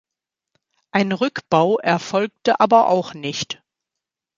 Ein Rückbau erfolgte aber auch nicht.